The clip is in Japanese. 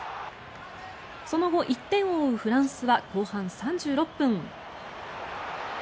その後、１点を追うフランスは後半３６分。